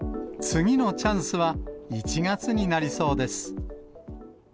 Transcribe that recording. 次のチャンスは１月になりそうです。